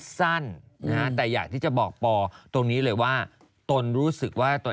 แต่อยากที่จะบอกปอตรงนี้เลยว่า